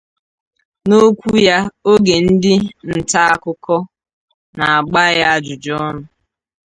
N'okwu ya oge ndị ntaakụkọ na-agba ya ajụjụọnụ